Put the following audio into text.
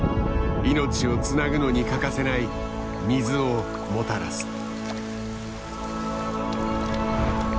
命をつなぐのに欠かせない水をもたらす。